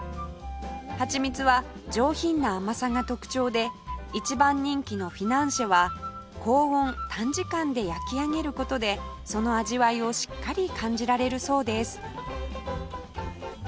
はちみつは上品な甘さが特徴で一番人気のフィナンシェは高温短時間で焼き上げる事でその味わいをしっかり感じられるそうです